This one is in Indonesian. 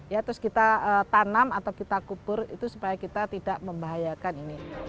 ya terus kita tanam atau kita kubur itu supaya kita tidak membahayakan ini